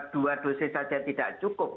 dua dosis saja tidak cukup